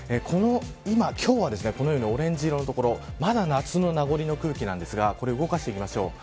今日はこのようにオレンジ色の所まだ夏の名残の空気なんですが動かしていきましょう。